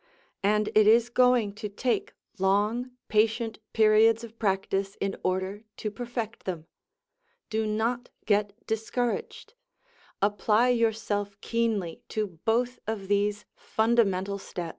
And it is going to take long, patient periods of practice in order to perfect them. Do not get discouraged. Apply yourself keenly to both of these fundamental steps.